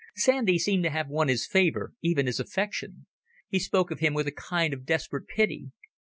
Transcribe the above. Sandy seemed to have won his favour, even his affection. He spoke of him with a kind of desperate pity.